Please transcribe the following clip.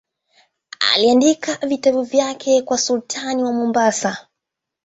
Aliandika vitabu vyake kwa sultani wa Mombasa.